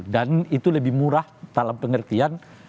dan itu lebih murah dalam pengertian